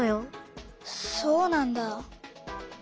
そうなんだ。